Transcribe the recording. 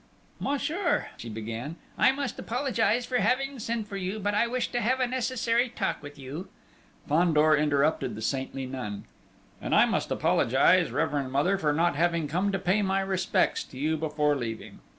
"Monsieur," she began, "I must apologise for having sent for you, but I wished to have a necessary talk with you." Fandor interrupted the saintly nun. "And I must apologise, reverend Mother, for not having come to pay my respects to you before leaving.